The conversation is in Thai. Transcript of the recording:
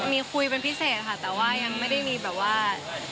มีคุยเป็นพิเศษค่ะแต่ว่ายังไม่ได้มีแบบว่า